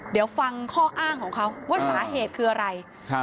เดี๋ยวฟังข้ออ้างของเขาว่าสาเหตุคืออะไรครับ